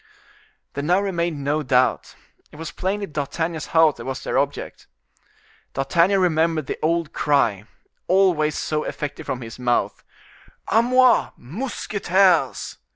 There now remained no doubt, it was plainly D'Artagnan's house that was their object. D'Artagnan remembered the old cry, always so effective from his mouth: "A moi! mousquetaires!"